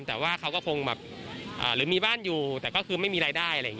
แต่ว่าเขาก็คงแบบหรือมีบ้านอยู่แต่ก็คือไม่มีรายได้อะไรอย่างนี้